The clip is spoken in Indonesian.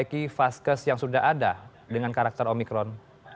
apa yang sudah diperlukan dari faskes yang sudah ada dengan karakter omikron